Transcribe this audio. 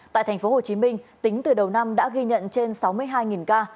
tại tp hcm tính từ đầu năm đã ghi nhận trên sáu mươi hai ca